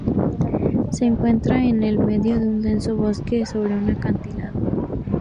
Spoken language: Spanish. Se encuentra en el medio de un denso bosque sobre un acantilado.